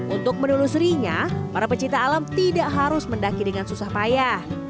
untuk menulus rinya para pencipta alam tidak harus mendaki dengan susah payah